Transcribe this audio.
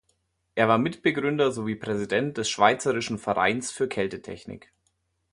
Er war Mitbegründer sowie Präsident des Schweizerischen Vereins für Kältetechnik.